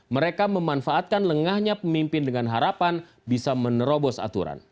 mereka memanfaatkan lengahnya pemimpin dengan harapan bisa menerobos aturan